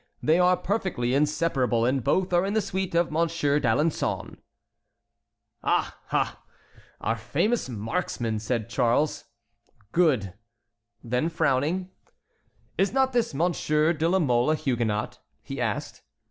They are perfectly inseparable, and both are in the suite of Monsieur d'Alençon." "Ah! ah! our famous marksman!" said Charles. "Good!" Then frowning: "Is not this Monsieur de la Mole a Huguenot?" he asked.